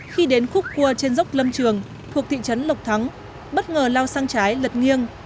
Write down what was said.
khi đến khúc cua trên dốc lâm trường thuộc thị trấn lộc thắng bất ngờ lao sang trái lật nghiêng